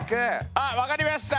あっ分かりました。